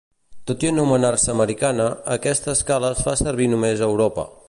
Tot i anomenar-se Americana, aquesta escala es fa servir només a Europa.